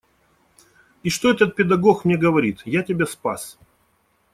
И что этот педагог мне говорит: я тебя спас.